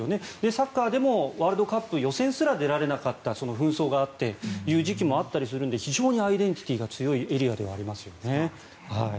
サッカーでもワールドカップ予選すら出られなかった紛争があってという時期があったりするので非常にアイデンティティーが強いエリアではありますよね。